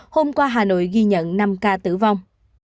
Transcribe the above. hôm qua hà nội ghi nhận năm ca tử vong